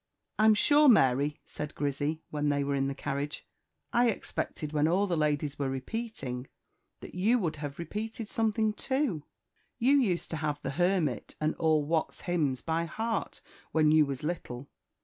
"I'm sure, Mary," said Grizzy, when they were in the carriage, "I expected, when all the ladies were repeating, that you would have repeated something too. You used to have the Hermit and all Watts's Hymns by heart, when you was little.